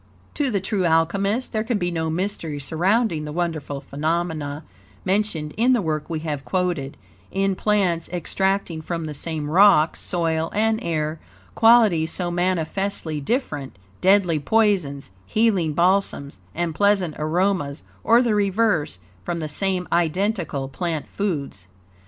To the true Alchemist there can be no mystery surrounding the wonderful phenomena mentioned in the work we have quoted, in plants extracting from the same rocks, soil, and air, qualities so manifestly different deadly poisons, healing balsams, and pleasant aromas, or the reverse, from the same identical plant foods.